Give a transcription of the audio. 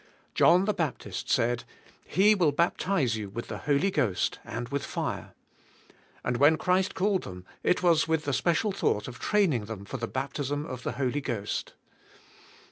John, the Baptist, said, "He will baptize you with the Holy Ghost and with fire," and when Christ called them it was with the special thought of training them for the baptism of the Holy Ghost.